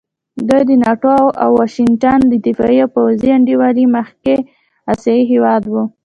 دوی د ناټو او واشنګټن د دفاعي او پوځي انډیوالۍ مخکښ اسیایي هېواد وو.